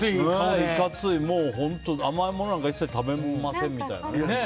いかつい、甘いものなんか一切食べませんみたいなね。